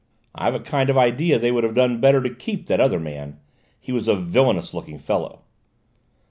"I've a kind of idea that they would have done better to keep that other man. He was a villainous looking fellow!"